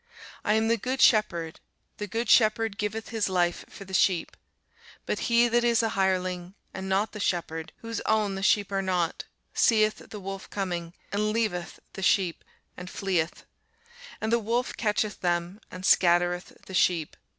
I am the good shepherd: the good shepherd giveth his life for the sheep. But he that is an hireling, and not the shepherd, whose own the sheep are not, seeth the wolf coming, and leaveth the sheep, and fleeth: and the wolf catcheth them, and scattereth the sheep.